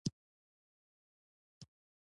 دښمن له هرې خبرې هدف لري